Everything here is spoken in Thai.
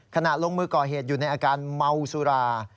ขณะลงมือก่อเหตุอยู่ในอาการเมาสุรา